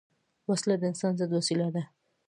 وسله د انسان ضد وسیله ده